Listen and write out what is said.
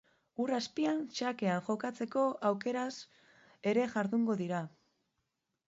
Ur azpian xakean jokatzeko aukeraz ere jardungo dira.